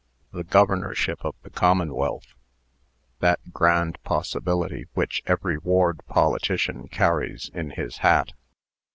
the governorship of the commonwealth that grand possibility which every ward politician carries in his hat.